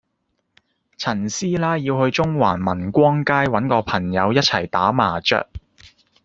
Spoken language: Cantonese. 陳師奶要去中環民光街搵個朋友一齊打麻雀